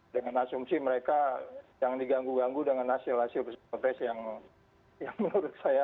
dengan asumsi mereka yang diganggu ganggu dengan hasil hasil survei yang menurut saya